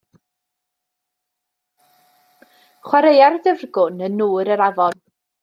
Chwaraeai'r dyfrgwn yn nŵr yr afon.